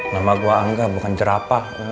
nama gua angga bukan jerapa